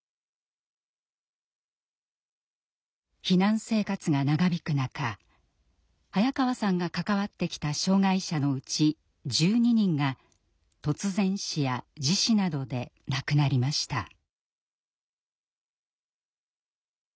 避難生活が長引く中早川さんが関わってきた障害者のうち１２人が突然死や自死などで亡くなりました。